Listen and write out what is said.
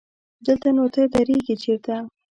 دلته نو ته درېږې چېرته؟